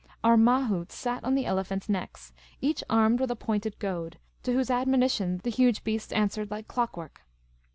Our mahouts sat on the elephants' necks, each armed with a pointed goad, to whose admonition the huge beasts answered like clockwork.